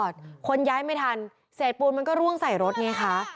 ซะปูนมันก็ร่วงใส่รถไงค่ะ